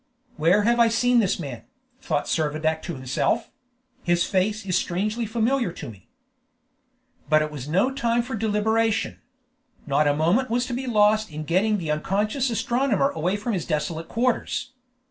"Where have I seen this man?" thought Servadac to himself; "his face is strangely familiar to me." But it was no time for deliberation. Not a moment was to be lost in getting the unconscious astronomer away from his desolate quarters.